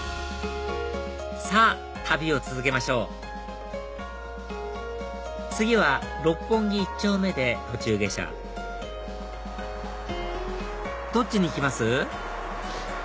さぁ旅を続けましょう次は六本木一丁目で途中下車どっちに行きます？